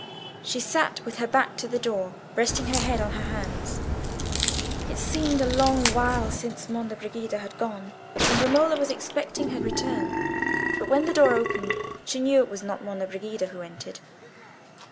She sat with her back to the door, resting her head on her hands. It seemed a long while since Monna Brigida had gone, and Romola was expecting her return. But when the door opened she knew it was not Monna Brigida who entered.